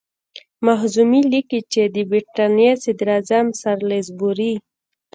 مخزومي لیکي چې د برټانیې صدراعظم سالیزبوري.